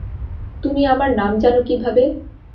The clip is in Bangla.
তুমি আমার নাম জানো কীভাবে?